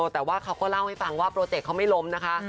แต่ว่าเขาก็เล่าให้ฟังว่าโปรเจกต์เขาไม่ล้มนะคะ